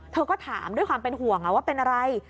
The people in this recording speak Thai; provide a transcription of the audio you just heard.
เธอก็ถามด้วยความเป็นห่วงว่าเป็นอะไร